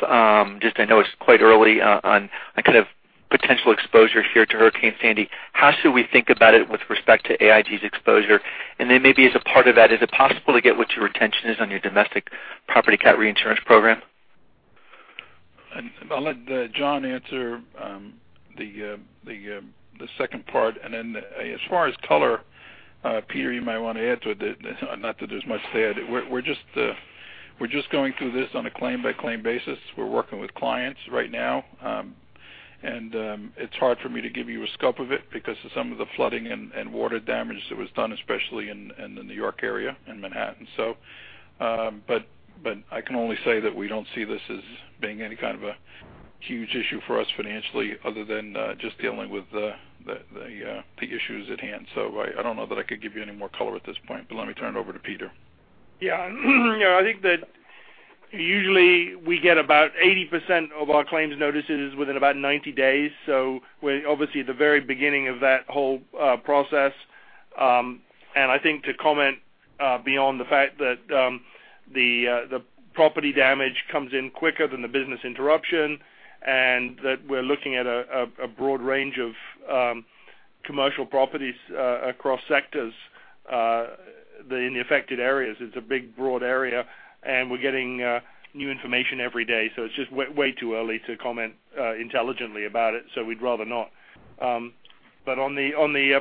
just I know it's quite early on kind of potential exposure here to Hurricane Sandy. How should we think about it with respect to AIG's exposure? Then maybe as a part of that, is it possible to get what your retention is on your domestic property cat reinsurance program? I'll let John answer the second part, and then as far as color, Peter, you might want to add to it, not that there's much to add. We're just going through this on a claim-by-claim basis. We're working with clients right now. It's hard for me to give you a scope of it because of some of the flooding and water damage that was done, especially in the New York area, in Manhattan. I can only say that we don't see this as being any kind of a huge issue for us financially other than just dealing with the issues at hand. I don't know that I could give you any more color at this point, but let me turn it over to Peter. Yeah. I think that usually we get about 80% of our claims notices within about 90 days. We're obviously at the very beginning of that whole process. I think to comment beyond the fact that the property damage comes in quicker than the business interruption and that we're looking at a broad range of commercial properties across sectors in the affected areas. It's a big, broad area, and we're getting new information every day, it's just way too early to comment intelligently about it, we'd rather not. On the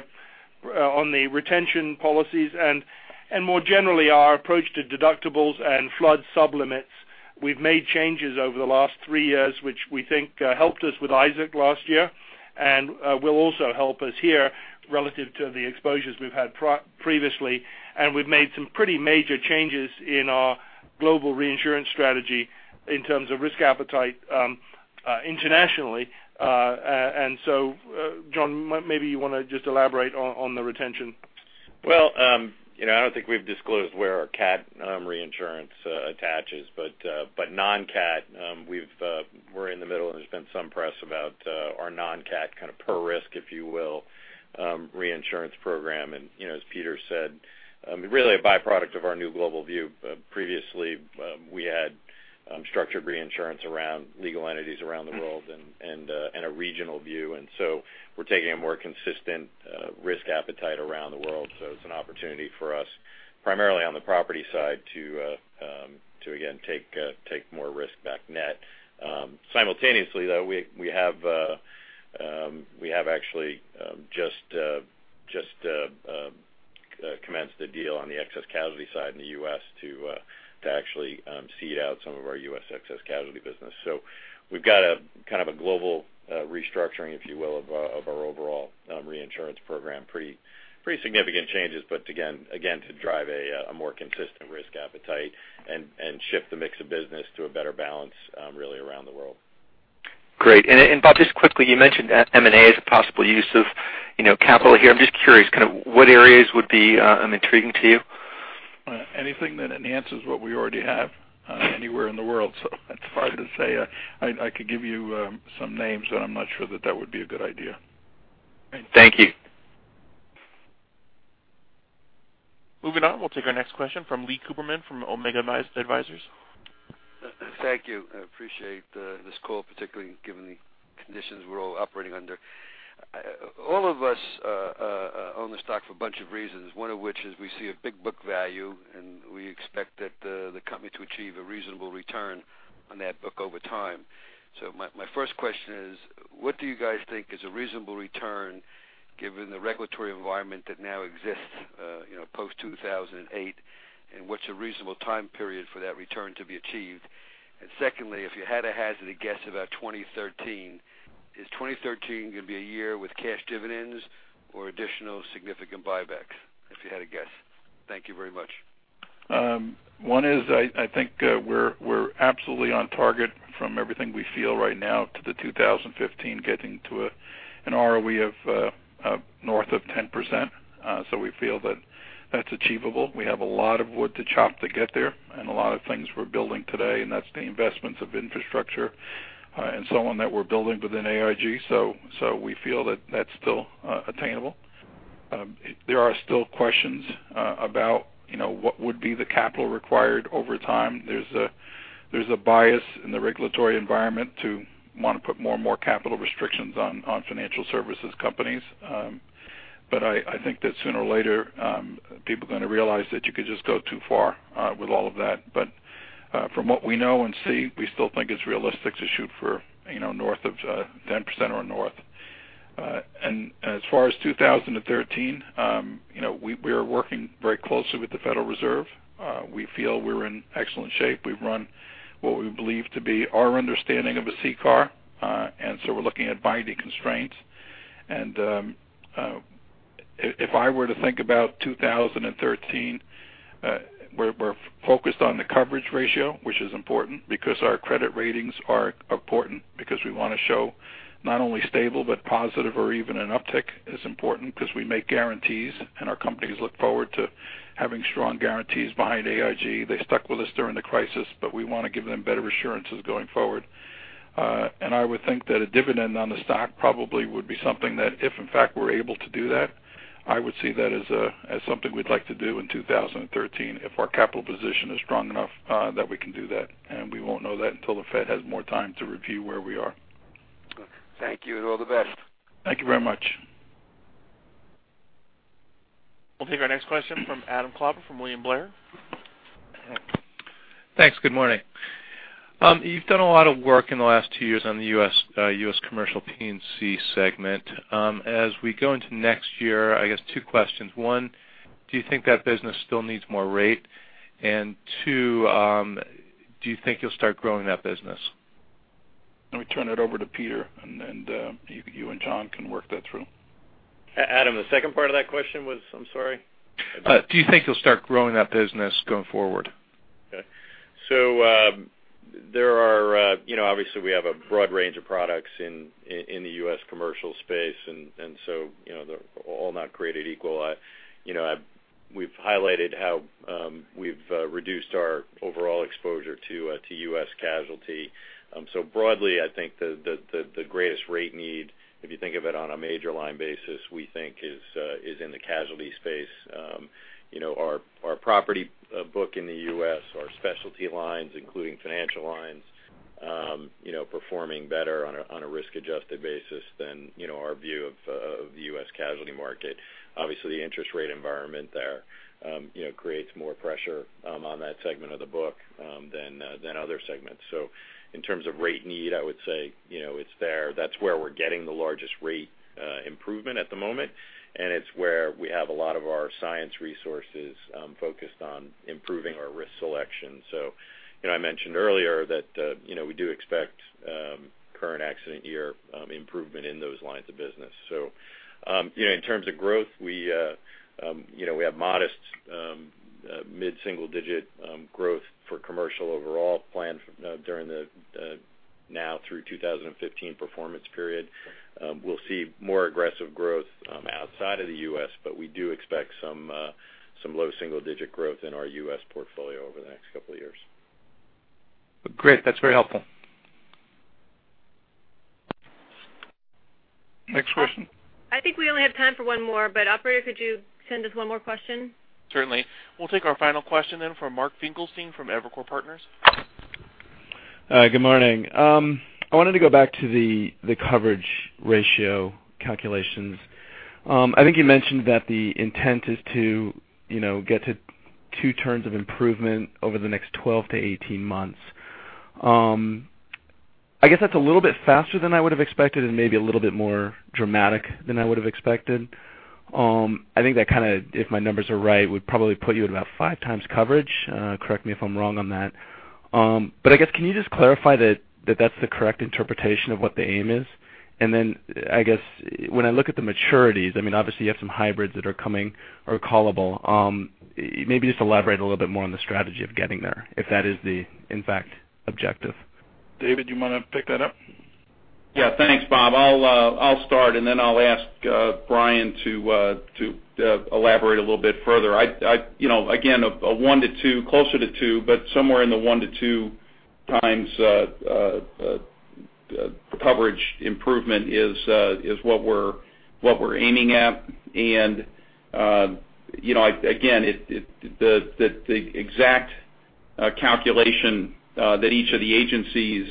retention policies and more generally, our approach to deductibles and flood sub-limits, we've made changes over the last three years, which we think helped us with Isaac last year and will also help us here relative to the exposures we've had previously. We've made some pretty major changes in our global reinsurance strategy in terms of risk appetite internationally. John, maybe you want to just elaborate on the retention. Well, I don't think we've disclosed where our cat reinsurance attaches, non-cat, we're in the middle and there's been some press about our non-cat kind of per risk, if you will, reinsurance program. As Peter said, really a byproduct of our new global view. Previously, we had structured reinsurance around legal entities around the world and a regional view, we're taking a more consistent risk appetite around the world. It's an opportunity for us, primarily on the property side, to again, take more risk back net. Simultaneously, though, we have actually just commenced a deal on the excess casualty side in the U.S. to actually cede out some of our U.S. excess casualty business. We've got a kind of a global restructuring, if you will, of our overall reinsurance program. Pretty significant changes, again, to drive a more consistent risk appetite and shift the mix of business to a better balance, really around the world. Bob, just quickly, you mentioned M&A as a possible use of capital here. I'm just curious, what areas would be intriguing to you? Anything that enhances what we already have anywhere in the world. It's hard to say. I could give you some names, I'm not sure that that would be a good idea. Thank you. Moving on, we'll take our next question from Leon Cooperman from Omega Advisors. Thank you. I appreciate this call, particularly given the conditions we're all operating under. All of us own the stock for a bunch of reasons, one of which is we see a big book value, and we expect the company to achieve a reasonable return on that book over time. My first question is, what do you guys think is a reasonable return given the regulatory environment that now exists, post-2008? What's a reasonable time period for that return to be achieved? Secondly, if you had to hazard a guess about 2013, is 2013 going to be a year with cash dividends or additional significant buybacks? If you had to guess. Thank you very much. One is, I think we're absolutely on target from everything we feel right now to the 2015 getting to an ROE of north of 10%. We feel that that's achievable. We have a lot of wood to chop to get there and a lot of things we're building today, and that's the investments of infrastructure and so on, that we're building within AIG. We feel that that's still attainable. There are still questions about what would be the capital required over time. There's a bias in the regulatory environment to want to put more and more capital restrictions on financial services companies. I think that sooner or later people are going to realize that you could just go too far with all of that. From what we know and see, we still think it's realistic to shoot for north of 10% or north. As far as 2013, we are working very closely with the Federal Reserve. We feel we're in excellent shape. We've run what we believe to be our understanding of a CCAR, we're looking at binding constraints. If I were to think about 2013, we're focused on the coverage ratio, which is important because our credit ratings are important because we want to show not only stable, but positive or even an uptick is important because we make guarantees, and our companies look forward to having strong guarantees behind AIG. They stuck with us during the crisis, we want to give them better assurances going forward. I would think that a dividend on the stock probably would be something that if in fact, we're able to do that, I would see that as something we'd like to do in 2013 if our capital position is strong enough that we can do that, we won't know that until the Fed has more time to review where we are. Thank you and all the best. Thank you very much. We'll take our next question from Adam Klauber from William Blair. Thanks. Good morning. You've done a lot of work in the last two years on the U.S. commercial P&C segment. As we go into next year, I guess two questions. One, do you think that business still needs more rate? Two, do you think you'll start growing that business? Let me turn it over to Peter, and then you and John can work that through. Adam, the second part of that question was? I'm sorry. Do you think you'll start growing that business going forward? Okay. Obviously, we have a broad range of products in the U.S. commercial space, and so they're all not created equal. We've highlighted how we've reduced our overall exposure to U.S. casualty. Broadly, I think the greatest rate need, if you think of it on a major line basis, we think is in the casualty space. Our property book in the U.S., our specialty lines, including financial lines performing better on a risk-adjusted basis than our view of the U.S. casualty market. Obviously, the interest rate environment there creates more pressure on that segment of the book than other segments. In terms of rate need, I would say it's there. That's where we're getting the largest rate improvement at the moment, and it's where we have a lot of our science resources focused on improving our risk selection. I mentioned earlier that we do expect current accident year improvement in those lines of business. In terms of growth, we have modest mid-single-digit growth for commercial overall planned during the now through 2015 performance period. We'll see more aggressive growth outside of the U.S., but we do expect some low single-digit growth in our U.S. portfolio over the next couple of years. Great. That's very helpful. Next question. I think we only have time for one more. Operator, could you send us one more question? Certainly. We'll take our final question then from Mark Finkelstein from Evercore Partners. Hi, good morning. I wanted to go back to the coverage ratio calculations. I think you mentioned that the intent is to get to two turns of improvement over the next 12-18 months. I guess that's a little bit faster than I would've expected and maybe a little bit more dramatic than I would've expected. I think that if my numbers are right, would probably put you at about 5 times coverage. Correct me if I'm wrong on that. I guess, can you just clarify that that's the correct interpretation of what the aim is? I guess, when I look at the maturities, obviously you have some hybrids that are coming or callable. Maybe just elaborate a little bit more on the strategy of getting there, if that is the, in fact, objective. David, you want to pick that up? Yeah. Thanks, Bob. I'll start, and then I'll ask Brian to elaborate a little bit further. Again, a 1-2, closer to two, but somewhere in the 1-2 times coverage improvement is what we're aiming at. Again, the exact calculation that each of the agencies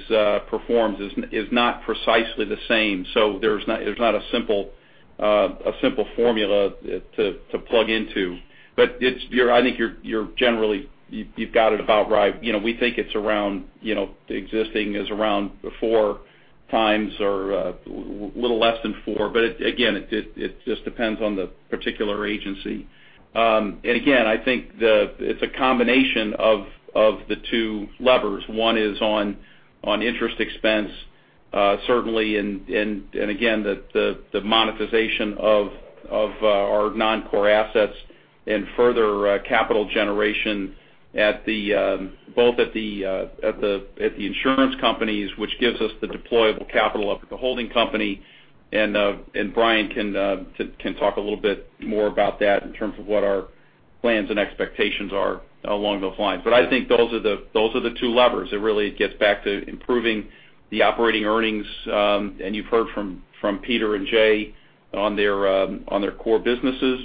performs is not precisely the same. There's not a simple formula to plug into. I think you've got it about right. We think the existing is around 4 times or a little less than 4. Again, it just depends on the particular agency. Again, I think it's a combination of the two levers. One is on interest expense certainly and again, the monetization of our non-core assets and further capital generation both at the insurance companies, which gives us the deployable capital of the holding company. Brian can talk a little bit more about that in terms of what our plans and expectations are along those lines. I think those are the two levers. It really gets back to improving the operating earnings. You've heard from Peter and Jay on their core businesses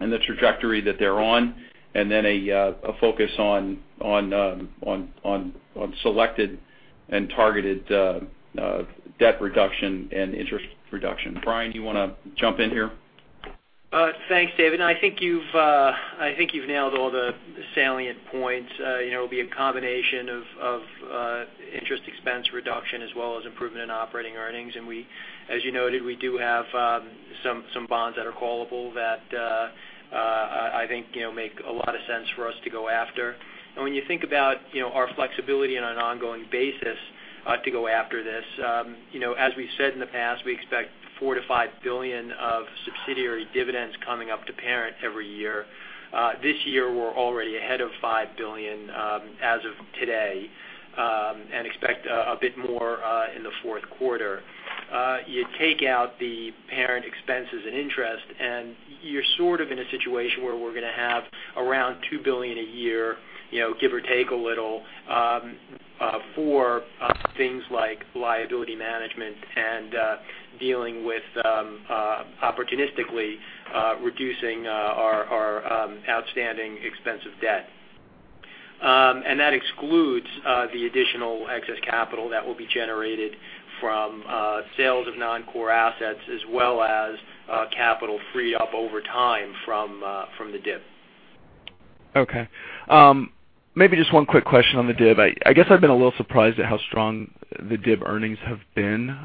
and the trajectory that they're on, then a focus on selected and targeted debt reduction and interest reduction. Brian, do you want to jump in here? Thanks, David. I think you've nailed all the salient points. It will be a combination of interest expense reduction as well as improvement in operating earnings. As you noted, we do have some bonds that are callable that I think make a lot of sense for us to go after. When you think about our flexibility on an ongoing basis to go after this, as we said in the past, we expect $4 billion-$5 billion of subsidiary dividends coming up to parent every year. This year, we are already ahead of $5 billion as of today and expect a bit more in the fourth quarter. You take out the parent expenses and interest, you are sort of in a situation where we are going to have around $2 billion a year, give or take a little, for things like liability management and dealing with opportunistically reducing our outstanding expensive debt. That excludes the additional excess capital that will be generated from sales of non-core assets as well as capital free up over time from the DIB. Okay. Maybe just one quick question on the DIB. I guess I have been a little surprised at how strong the DIB earnings have been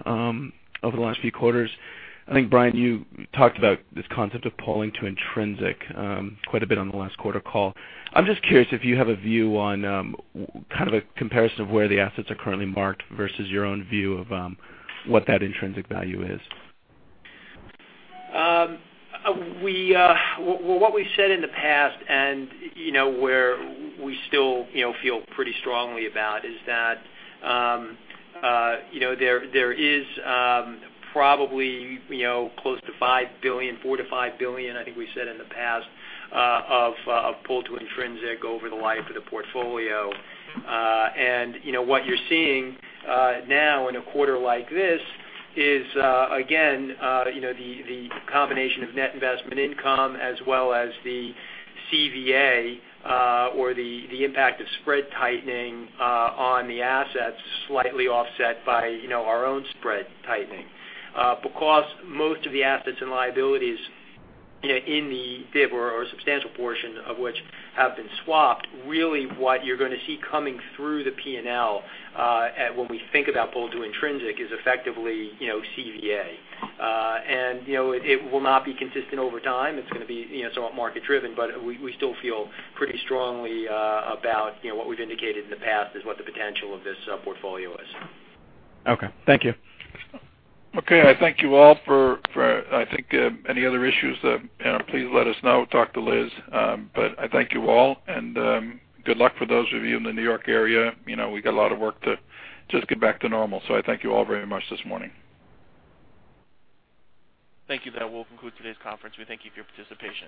over the last few quarters. I think, Brian, you talked about this concept of pulling to intrinsic quite a bit on the last quarter call. I am just curious if you have a view on kind of a comparison of where the assets are currently marked versus your own view of what that intrinsic value is. What we've said in the past, where we still feel pretty strongly about, is that there is probably close to $4 billion-$5 billion, I think we said in the past, of pull to intrinsic over the life of the portfolio. What you're seeing now in a quarter like this is, again the combination of net investment income as well as the CVA or the impact of spread tightening on the assets slightly offset by our own spread tightening. Because most of the assets and liabilities in the DIB or a substantial portion of which have been swapped, really what you're going to see coming through the P&L when we think about pull to intrinsic is effectively CVA. It will not be consistent over time. It's going to be somewhat market driven, we still feel pretty strongly about what we've indicated in the past is what the potential of this portfolio is. Okay. Thank you. Okay. I thank you all. I think any other issues, please let us know, talk to Liz. I thank you all, and good luck for those of you in the New York area. We've got a lot of work to just get back to normal. I thank you all very much this morning. Thank you. That will conclude today's conference. We thank you for your participation.